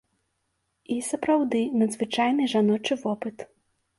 І сапраўды надзвычайны жаночы вопыт.